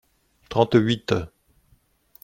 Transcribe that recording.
Trente-huit.